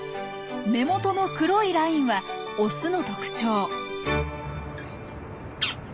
目元の黒いラインはオスの特徴。